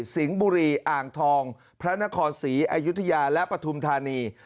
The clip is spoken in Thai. สิงห์บุรีอ่างทองพระนครศรีอายุทยาและปฐุมธานี